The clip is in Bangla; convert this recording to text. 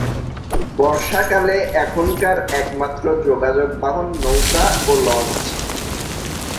বর্ষাকালে এখানকার একমাত্র যোগাযোগ বাহন নৌকা ও লঞ্চ।